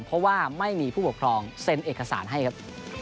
เพราะว่าไม่มีผู้ปกครองเซ็นเอกสารให้ครับ